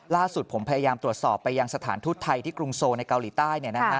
ล่าสุดผมพยายามตรวจสอบไปยังสถานทูตไทยที่กรุงโซลในเกาหลีใต้